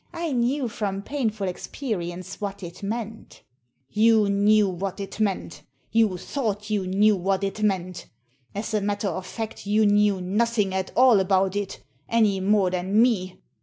I knew from painful experience what it meant" "You knew what it meant? You thought you knew what it meant As a matter of fact, you knew nothing at all about it, any more than me.